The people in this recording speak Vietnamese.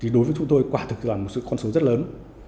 đối với chúng tôi quả thực là một con số rất lớn